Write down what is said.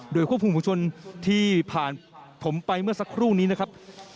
โดยควบคุมผู้ชนที่ผ่านผมไปเมื่อสักครู่นี้นะครับ